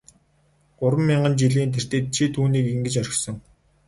Гурван мянган жилийн тэртээд чи түүнийг ингэж орхисон.